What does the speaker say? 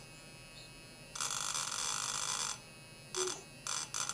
他的父亲和祖父都是职业自行车车手。